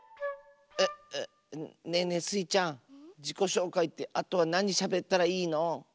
うっうっねえねえスイちゃんじこしょうかいってあとはなにしゃべったらいいの？